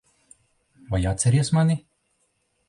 Vai atceries mani?